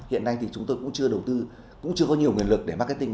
hiện nay thì chúng tôi cũng chưa đầu tư cũng chưa có nhiều nguồn lực để marketing